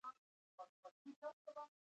ګاونډي ته د مرستې لاس وغځوه